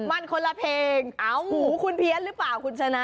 มันคนละเพลงเอ้าหูคุณเพี้ยนหรือเปล่าคุณชนะ